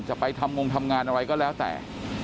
จะไปทำงงทำงานอะไรก็แล้วแต่